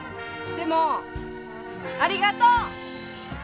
でもありがとう！